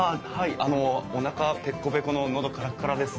あのおなかペッコペコの喉カラッカラです。